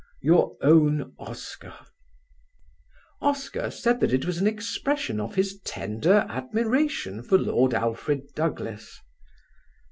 YOUR OWN OSCAR. Oscar said that it was an expression of his tender admiration for Lord Alfred Douglas.